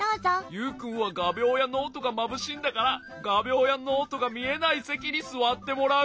ユウくんはがびょうやノートがまぶしいんだからがびょうやノートがみえないせきにすわってもらう。